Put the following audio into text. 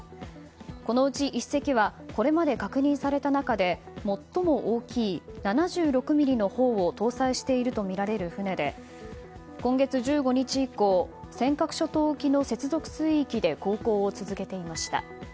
このうち１隻はこれまで確認された中で最も大きい７６ｍｍの砲を搭載しているとみられる船で今月１５日以降尖閣諸島沖の接続水域で航行を続けていました。